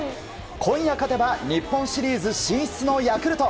今夜勝てば日本シリーズ進出のヤクルト。